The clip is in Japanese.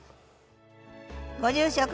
ご住職